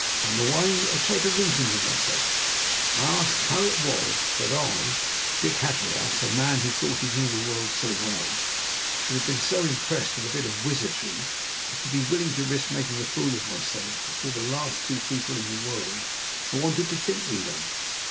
On the way I tried to reason with myself. I asked how it was that I, Dick Hatteras, a man who thought he knew the world so well, should have been so impressed with a bit of wizardry as to be willing to risk making a fool of myself before the two last people in the world I wanted to think me one.